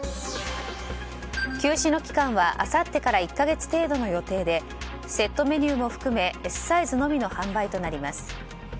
休止の期間はあさってから１か月程度の予定でセットメニューも含めＳサイズのみの販売となります。